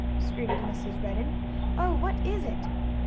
screamed Mrs. Redden. "Oh, what is it?"